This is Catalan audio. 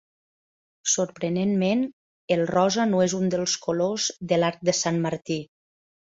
Sorprenentment, el rosa no és un dels colors de l'arc de Sant Martí.